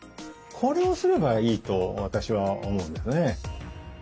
これをすればいいと私は思うんですね。